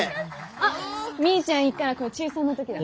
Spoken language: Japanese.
あっみーちゃんいっからこれ中３の時だ。